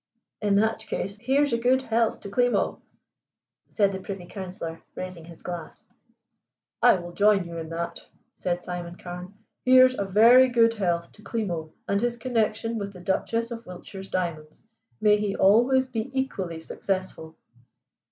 "In that case here's a good health to Klimo," said the Privy Councillor, raising his glass. "I will join you in that," said Simon Carne. "Here's a very good health to Klimo and his connection with the Duchess of Wiltshire's diamonds. May he always be equally successful!"